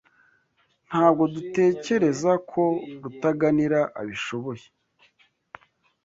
Ntabwo dutekereza ko Rutaganira abishoboye.